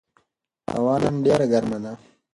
هوا نن ډېره ګرمه ده.